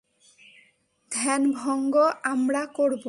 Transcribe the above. ধ্যানভঙ্গ আমরা করব।